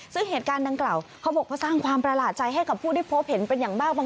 ซึ่งเหตุการณ์ดังกล่าวเขาบอกว่าสร้างความประหลาดใจให้กับผู้ที่พบเห็นเป็นอย่างมากบาง